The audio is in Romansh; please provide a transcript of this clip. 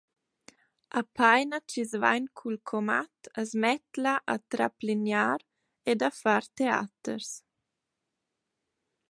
Apaina chi’s vain cul comat as mett’la a traplignar ed a far teaters.